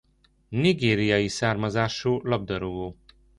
Nigériai származású labdarúgó.